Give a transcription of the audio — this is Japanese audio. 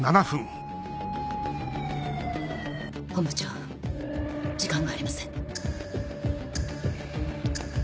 本部長時間がありません。